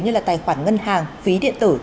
như là tài khoản ngân hàng phí điện tử